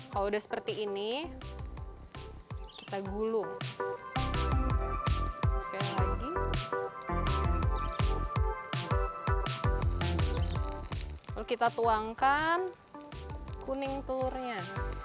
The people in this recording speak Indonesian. kalau udah seperti ini kita gulung sekali lagi lalu kita tuangkan kuning telurnya